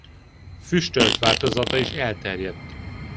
Füstölt változata is elterjedt.